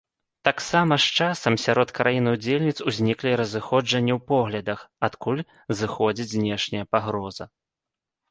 Таксама, з часам, сярод краін удзельніц узніклі разыходжанні ў поглядах, адкуль зыходзіць знешняя пагроза.